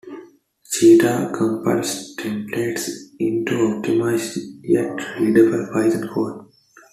Cheetah compiles templates into optimized, yet readable, Python code.